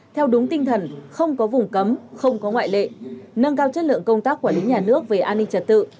theo đúng tinh thần không có vùng cấm không có ngoại lệ nâng cao chất lượng công tác quản lý nhà nước về an ninh trật tự